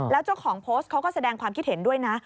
แล้วเจ้าของโพสต์เขาก็แสดงความคิดเห็นด้วยนะ